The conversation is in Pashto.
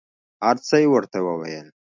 هر څه یې ورته وویل.